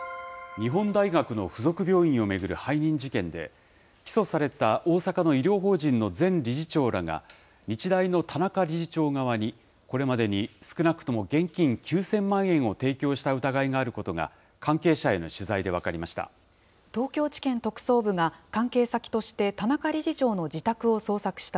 日本大学の付属病院を巡る背任事件で、起訴された大阪の医療法人の前理事長らが、日大の田中理事長側に、これまでに少なくとも現金９０００万円を提供した疑いがあることが、関係者への取材で分かりました。